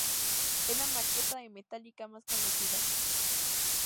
Es la maqueta de Metallica más conocida.